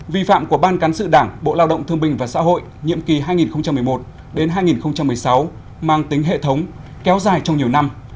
vi phạm của ban cán sự đảng bộ lao động thương bình và xã hội nhiệm kỳ hai nghìn một mươi một hai nghìn một mươi sáu mang tính hệ thống kéo dài trong nhiều năm